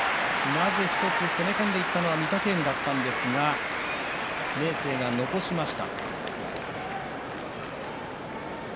攻め込んでいったのは御嶽海だったんですが明生が残しました。